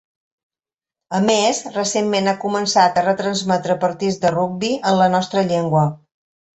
A més, recentment ha començat a retransmetre partits de rugbi en la nostra llengua.